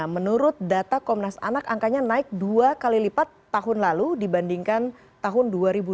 menurut data komnas anak angkanya naik dua kali lipat tahun lalu dibandingkan tahun dua ribu dua puluh